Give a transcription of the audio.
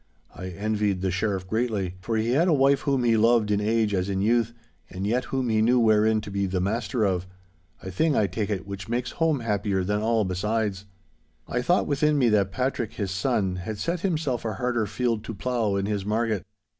I envied the Sheriff greatly, for he had a wife whom he loved in age as in youth, and yet whom he knew wherein to be the master of—a thing, I take it, which makes home happier than all besides. I thought within me that Patrick, his son, had set himself a harder field to plough in his Marget.